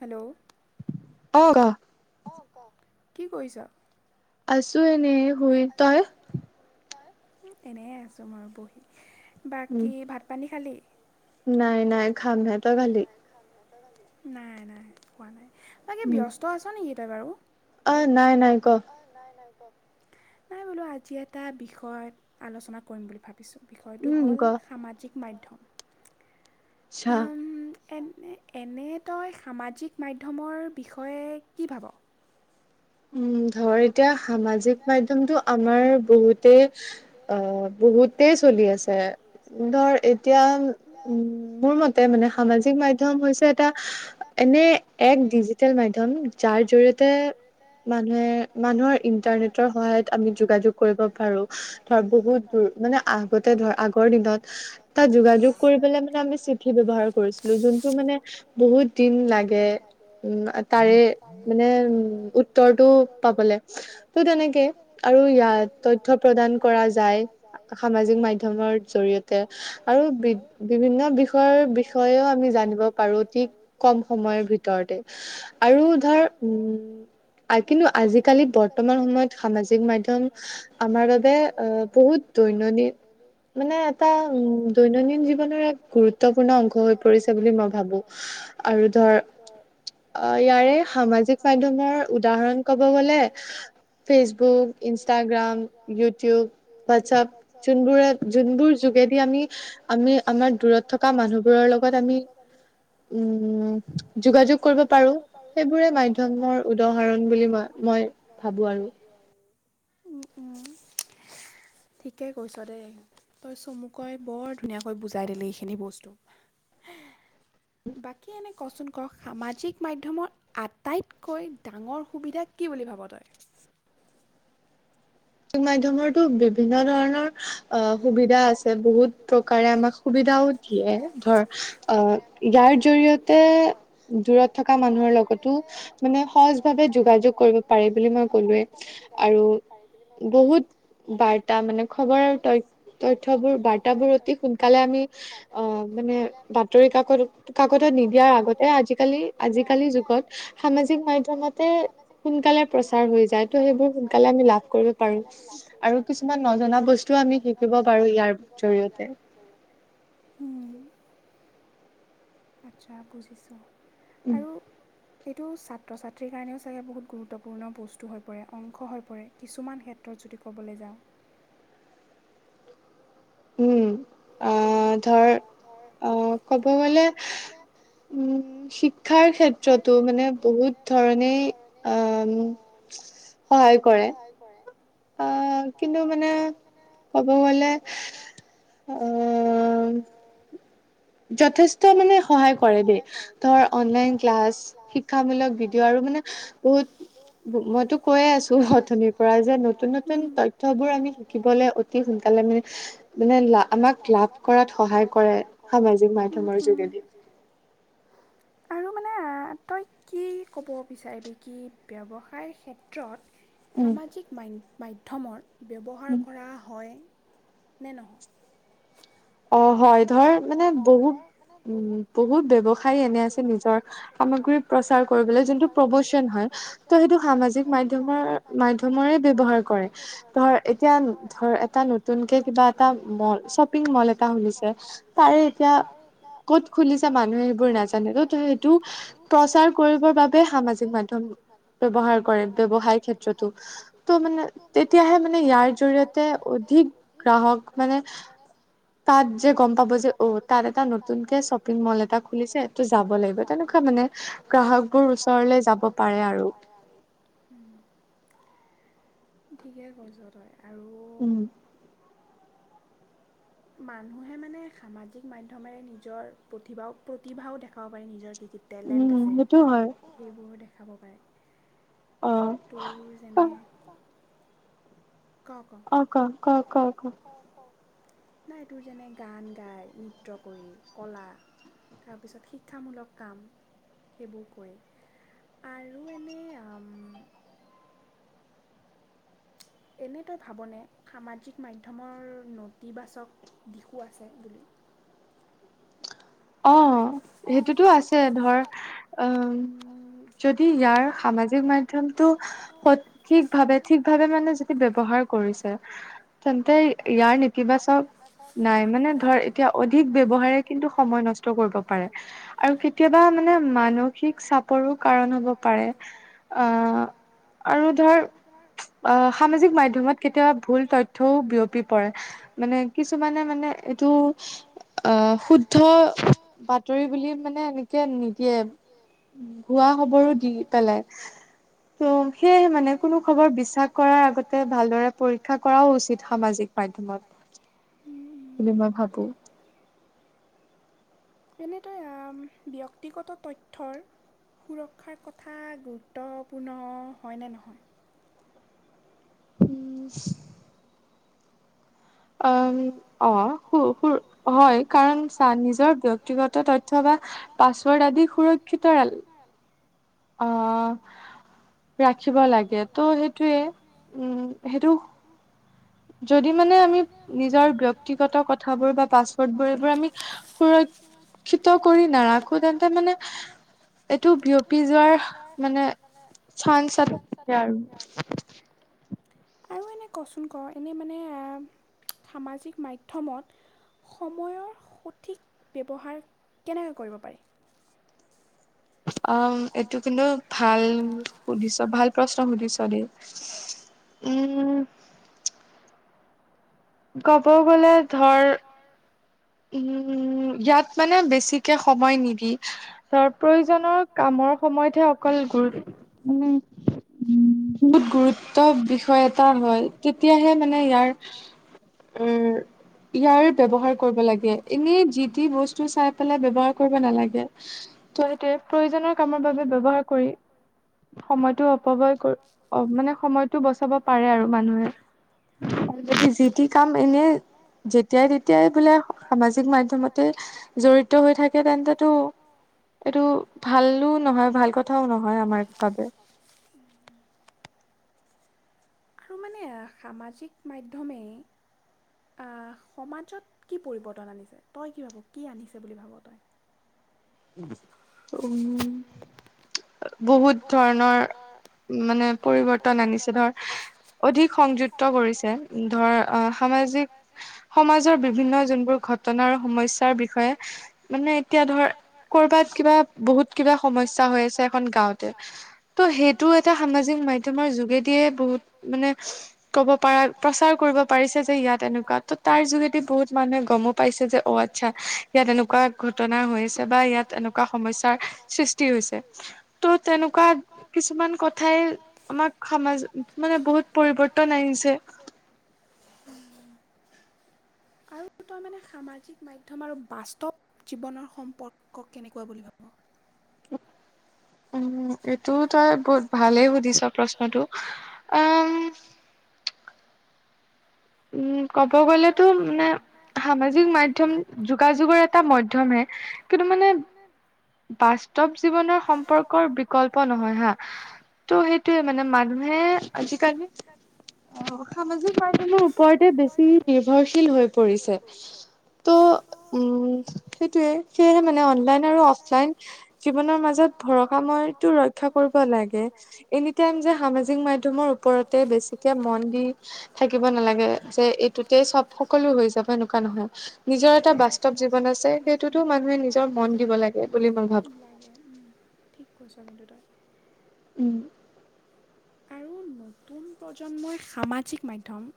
Hello অগা অহ কি কৰিছ আছো এনে আছো এনে বহি। ত'ই এনে আছো মইয়ো বহি বাকী ভাত পানী খালী? নাই নাই খাম'হে ত'ই খালি? তই খালি নাই নাই খোৱা নাই বাকী ব্যস্ত আছ নেকি তই বাৰু? অ নাই নাই ক? নাই বোলো আজি এটা বিষয় আলোচনা কৰিম বুলি ভাবি- ভাবিছো। বিষয়টো হ'ল সামাজিক মাধ্যম। আচ্ছা এনে এনে তই সামাজিক মাধ্যমৰ বিষয়ে কি ভাব উম ধৰ এতিয়া সামাজিক মাধ্যমতো আমাৰ বহুতে অ বহুতেই চলি আছে- এ ধৰ এতিয়া উম মোৰ মতে মানে সামাজিক মাধ্যয়ম হৈছে এটা এটা এনে এক ডিজিটেল মাধ্যম যাৰ জৰিয়তে মানুহে মানুহৰ ইন্টাৰনেটৰ সহায়ত আমি যোগাযোগ কৰিব পাৰোঁ তাৰ বহুত আগতে ধৰা তাত যোগাযোগ কৰি পেলাই আমি চিঠি ব্যাবহাৰ কৰিছিলো যোনটো মানে বহুত দিন লাগে উম তাৰে মানে উ উত্তৰটো পাবলে তো' তেনেকে আৰু ইয়াত তথ্য প্ৰদান কৰা যায় সামাজিক মাধ্যমৰ জৰিয়তে জৰিয়তে বিভিন্ন বিষয়ৰ বিষয়েও আমি জানিব পাৰো অতি কম সময়ৰ ভিতৰতে আৰু ধৰ কিন্তু আজিকালি বৰ্তমান সামাজিক মাধ্যম আমাৰ বাবে বহুত দৈনন্দিন মানে এটা দৈনন্দিন জীৱনৰ এক গুৰুত্বপূৰ্ণ অংশ হৈ পৰিছে বুলি মই ভাবো আৰু [inaudible] অ ইয়াৰে সামাজিক মাধ্যমৰ উদাহৰণ কব গলে ফেচবুক ইনষ্টাগ্ৰাম ইউটিউব হোৱাটছআপ যোনবোৰ যোনবোৰ যো যোগেদি আমি আমি আমাৰ দূৰত থকা মানুহবোৰৰ লগত আমি উম যোগাযোগ কৰিব পাৰো সেইবোৰে মাধ্যমৰ উদাহৰণ বুলি মই মই ভাবো আৰু উম উম ঠিকেই কৈছ দেই তই চমুকৈ বৰ ধুনীয়াকৈ বুজাই দিলি এইখিনি বস্তু হে বাকী এনে কচোন ক সামাজিক মাধ্যমৰ আটাইতকৈ ডাঙৰ সুবিধা কি কি বুলি ভাব তই সামাজিক মাধ্যমৰটো বিভিন্ন ধৰণৰ অ সুবিধা আছে বহুত প্ৰকাৰে আমাক সুবিধাও দিয়ে ধৰ অহ ইয়াৰ জৰিয়তে দূৰত থকা মানুহৰ লগতো মানে সহজ ভাৱে যোগাযোগ বহুতে মানে সহজ ভাৱে যোগাযোগ কৰিব পাৰি বুলি মই বহুত বাৰ্তা মানে খবৰ তথ্যবোৰ বাৰ্তাবোৰ অতি সোনকালে আমি অহ মানে বাতৰি কাকত কাকত নিদিয়াৰ আগতে আজিকালি আজিকালি যুগত সামাজিক মাধ্যমতে সোনকাল সোনকালে প্ৰচাৰ হৈ যায় ত সেইবোৰ সোনকালে আমি লাভ কৰিব পাৰোঁ আৰু কিছুমান নজনা বস্তু নজনা বস্তু আমি শিকিব পাৰো ইয়াৰ জৰিয়তে আচ্ছা বুজিছোঁ আৰু এইটো ছাত্ৰ ছাত্ৰীৰ কাৰণেও চাগে বহুত গুৰুত্বপূৰ্ণ বস্তু হৈ পৰে অংশ হৈ পৰে কিছুমান ক্ষেত্ৰত যদি কবলে যাওঁ উম আহ ধৰ আহ ক'ব গলে উম শিক্ষাৰ ক্ষেত্ৰতো মানে বহুত ধৰণেই আহ [unintelligible] সহায় কৰে আ কিন্তু মানে ক'ব গলে আ অ যথেষ্ট মানে সহায় কৰে দেই ধৰ অনলাইন ক্লাছ শিক্ষামূলক ভিডিঅ' আৰু মানে বহুত মইতো কৈয়ে আছো অথনিৰ পৰা যে নতুন নতুন তথ্যবোৰ আমি শিকিবলে অতি সোনকালে মানে মানো আমাক লাভ কৰাত সহায় কৰে মাধ্যমৰ যোগেদি আৰু মানে তই কি ক'ব বিচাৰিবি কি ব্যৱসায় ক্ষেত্ৰত সামাজিক মা মাধ্যমৰ ব্যৱহাৰ কৰা হয় নেন অ হয় ধৰ মানে বহুত বহুত ব্যৱসায় এনে আছে নিজৰ সামগ্ৰী প্ৰচাৰ কৰিব যোন প্ৰবচন হয় ত সেইটো সামাজিক মাধ্যমৰ মাধ্যমৰে ব্যৱহাৰ কৰে ধৰ এতিয়া ধৰ এটা নতুনকে কিবা এটা মল শ্বপিং মল এটা তাৰে এতিয়া কত খুলিছে মানুহে সেইবোৰ নাজানে ত'ত সেইটো প্ৰচাৰ কৰিবৰ বাবে সামাজিক মাধ্যম ব্যৱহাৰ কৰে ব্যয়ৱসায় ক্ষেত্ৰতো ত মানে তেতিয়াহে মানে ইয়াৰ জৰিয়তে অধিক গ্ৰাহক মানে যে গম পাব যে অ তাত এটা নতুনকে শ্বপিং মল এটা খুলিছে সটো যাব লাগিব তেনেকুৱা মানে গ্ৰাহকবোৰ ওচৰলৈ যাব পাৰে আৰু উ ঠিকে কৈছ তই আৰু উম মানুহে মানে সামাজিক মাধ্যমেৰে নিজৰ প্ৰতিভাও প্ৰতিভাও দেখাব পাৰে নিজৰ কি কি টেলেণ্ট আছে সেইবোৰ দেখাব পাৰে তোৰ যেনে ক ক ক ক ক ক ক নাই তোৰ যেনে গান গাই নৃত্যয় কৰি কলা তাৰপিছত শিক্ষামূলক কাম সেইবোৰ কৰে [unintelligible] এনে তই ভাবনে সামাজিক মাধ্যমৰ নতিবাচক দিশো আছে বুলি [inaudible] অ সেইটোতো আছে ধৰ অ যদি ইয়াৰ সামাজিক মাধ্যমটো সঠিক ভাৱে ঠিক ভাৱে মানে যদি ব্যৱহাৰ কৰিছে তেন্তে ইয়াৰ নেতিবাচক নাই মানে ধৰ এতিয়া অধিক ব্যৱহাৰে সময় নষ্ট কৰিব পাৰে আৰু কেতিয়াবা মানে মানসিক চাপৰো কাৰণ হ'ব পাৰে অ আৰু ধৰ অ সামাজিক মাধ্যমত কেতিয়াবা ভুল তথ্য‌ও বিয়পি পৰে মানে কিছুমানে মানে তো অ হোত শুদ্ধ ৰি বুলি মানে এনেকে নিদিয়ে ভুৱা খবৰো দি পেলাই ত' সেয়েহে মানে কোনো খবৰ বিশ্বাস কৰাৰ আগতে ভালদৰে পৰীক্ষা কৰাও উচিত সামাজিক মাধ্য সামাজিক মাধ্যমত বুলি মই ভাবো এনেদৰে ব্যক্তিগত তথ্যৰ সুৰক্ষাৰ কথা গুৰুত্বপূৰ্ণ হয়নে নহয় উম অ অ হয় কাৰণ চ নিজৰ ব্যক্তিগত তথ্য বা পাছৱৰ্ড আদি সুৰক্ষিত অ ৰাখিব লাগে ত' সেইটোৱে উম সেইটো যদি মানে আমি নিজৰ ব্য বক্তিগত কথাবোৰ বা পাছৱৰ্ড বোৰ আমি সুৰ শিক্ষিত কৰি নাৰাখো তেন্তে মানে এইটো বিয়পি যোৱাৰ মানে চাঞ্চ এটা থাকে আৰু আৰু এনেই কচোন ক এনেই মানে সামাজিক মাধ্যমত সময়ৰ সঠিক ব্যৱহাৰ কেনেকৈ কৰিব পাৰি। অ এইটো কিন্তু ভাল সুধিছ ভাল প্ৰশ্ন সুধিছ দেই। উম কব গলে ধৰ। উম ইয়াত মানে বেছিকে সময় নিদি ত প্ৰয়োজনৰ কামৰ সময়তহে অকল। উম। উ বহুত গুৰুত্ব বিষয় এটা হয় তেতিয়াহে মানে ইয়াৰ উ ইয়াৰ ব্যৱহাৰ কৰিব লাগে এনে যি বস্তু চাই পেলাই ব্যৱহাৰ কৰিব নালাগে ত' সটোৱে প্ৰয়োজনৰ কামৰ বাবে ব্যৱহাৰ কৰি হয় [inaudible] সময়তো অপবয় মানে সময়তটো বচাব পাৰে আৰু মানুহে [inaudible] যি টি কাম এনে যেতিয়াই তেতিয়াই বোলে সামাজিক মাধ্যমতে জড়িত হৈ থাকে তেন্তে টো এইটো ভালো নহয় ভাল কথাও নহয় আমাৰ বাবে উম। আৰু মানে সামাজিক মাধ্যমেই আহ সমাজত কি পৰিৱৰ্তন আনিছে। তই কি ভাব কি আনিছে বুলি ভাব তই? উম বহুত ধৰণৰ মানে পৰিৱৰ্তন আনিছে ধৰ অধিক সংযুক্ত কৰিছে ধৰ সামাজিক সমাজৰ বিভিন্ন যোনবোৰ ঘট ঘটনাৰ সমস্যাৰ বিষয়ে মানে এতিয়া ধৰ কৰ'বাত কিবা বহুত কিবা সমস্যা হৈ আছে এখন গাঁওত সেইটো এটা সামাজিক মাধ্যমৰ যোগেদিয়ে বহুত মানে কব পাৰ। প্ৰচাৰ কৰিব পাৰিছে যে ইয়াত এনেকুৱা ত' তাৰ যোগেদি বহুত মানুহে গমো পাইছে যে। অ' আচ্ছা। সেয়া তেনেকুৱা ঘটনা ঘটে এনেকুৱা সমস্যাৰ সৃষ্টি হৈছে। ত তেনেকুৱা কিছুমান কথাই আমাক সমাজ মানে বহুত পৰিৱৰ্তন আনিছে। আৰু সামাজিক মাধ্যম আৰু বাস্তৱ জীৱনৰ সম্পৰ্ক কেনেকুৱা বুলি ভাব? উ [inaudible] উম এইটো তই বহুত ভালেই সুধিছ প্ৰশ্নটো উম উম ক'ব গ'লেতো মানে সামাজিক মাধ্যম যোগাযোগৰ এটা মাধ্যম হে, কিন্তু মানে বাস্তৱ জীৱনৰ সম্পৰ্কৰ বিকল্প নহয় হা। ত' সেইটোয়ে মানে মানুহে আজিকালি অ সামাজিক মাধ্যমৰ ওপৰতে বেছি নিৰ্ভৰশীল হৈ পৰিছে। ত' উম সেইটোয়ে সেয়েহে মানে অনলাইন আৰু অফলাইন জীৱনৰ মাজত ভৰসাময়তটো ৰক্ষা কৰিব লাগে, এনি টাইম যে সামাজিক মাধ্যমৰ ওপৰতে বেছি তেতিয়া মন দি থাকিব নালাগে। যে এইটোতে চব সকলো হৈ যাব সেনেকুৱা নহয়। নিজৰ এটা বাস্তৱ জীৱন আছে সেইটোতো মানুহে মানুহে নিজৰ মন দিব লাগে লাগে উম ঠিক কৈছ কিন্তু তই [inaudible] উম। নতুন প্ৰজন্মই সামাজিক মাধ্যম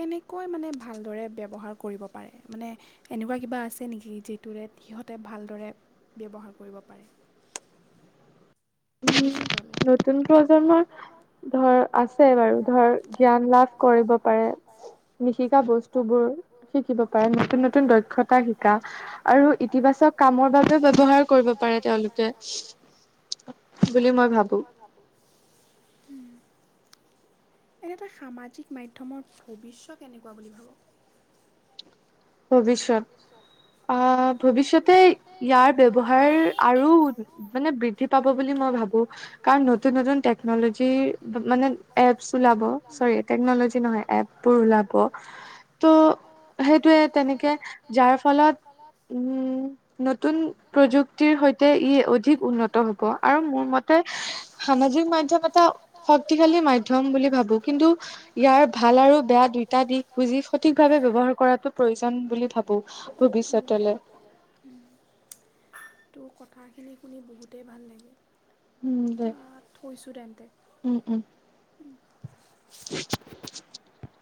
কেনেকৈ মানে ভালদৰে ব্যৱহাৰ কৰিব পাৰে মানে এনেকুৱা কিবা আছে নেকি যিটোৰে সিহঁতে ভালদৰে ব্যৱহাৰ কৰিব পাৰে। ভৱিষ্যতলে নতুন প্ৰজন্মত ধৰ আছে বাৰু ধৰ এতি লাভ কৰিব পাৰে, লিখিকা বস্তু বোৰ শিকিব পাৰে, নতুন নতুন দক্ষতা আৰু ইতিবাচক কামৰ বাবে ব্যৱহাৰ কৰিব পাৰে তেওঁলোকে। বুলি মই ভাবো। উম এনে এটা সামাজিক মাধ্যমৰ ভৱিষ্য কেনেকুৱা বুলি ভাব ভবিষ্যত অ ভৱিষ্যতে ইয়াৰ ব্যৱহাৰ আৰু মানে বৃদ্ধি পাব বুলি মই ভাবো। কাৰণ নতুন নতুন টেকন'লজী মানে এফত ওলাব। চৰী টেকন'লজী নহয় এপ বোৰ ওলাব ত' সেইটোয়ে তেনেকে যাৰ ফলত উম নতুন প্ৰযুক্তিৰ সৈতে ই অধিক উন্নত হব আৰু মোৰ ম মোৰ মতে সামাজিক মাধ্যম এটা শক্তিশালী মাধ্যম বুলি ভাবো। কিন্তু ইয়াৰ ভাল আৰু বেয়া দুইটা দিশ বুজি সঠিকভাৱে ব্যৱহাৰ কৰাটো- [unintelligible] [unintelligible] কথাখিনি শুনি বহুতেই ভাল লাগিল উম দে উম উম। উ [unintelligible]